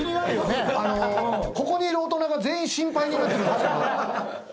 ここにいる大人が全員心配になってるんですけど。